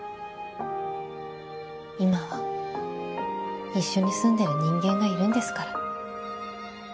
今は一緒に住んでる人間がいるんですから。